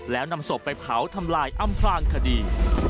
แล้วนำศพไปเผาทำลายอำพลางคดี